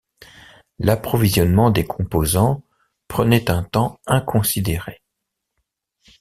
L'approvisionnement des composants prenait un temps inconsidéré.